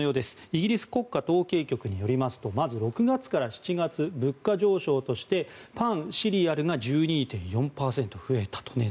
イギリス国家統計局によりますとまず６月から７月物価上昇としてパン、シリアルが１２．４％値段が増えたと。